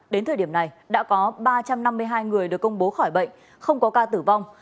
đến thời điểm này đã có ba trăm năm mươi hai người được công bố khỏi bệnh không có ca tử vong